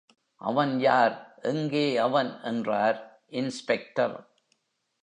அவன் யார், எங்கே அவன் என்றார் இன்ஸ்பெக்டர்.